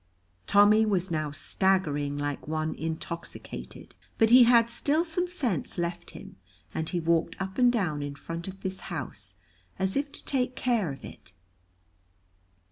Tommy was now staggering like one intoxicated, but he had still some sense left him, and he walked up and down in front of this house, as if to take care of it.